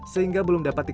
sehingga belum dapatnya